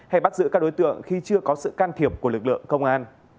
hay bắt giữ các đối tượng khi chưa có sự can thiệp của lực lượng công an